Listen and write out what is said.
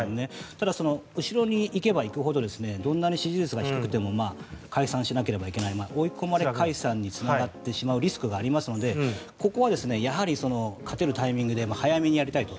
ただ、後ろに行けば行くほどどんなに支持率が低くても解散しなければいけない追い込まれ解散につながってしまうリスクがありますのでここはやはり勝てるタイミングで早めにやりたいと。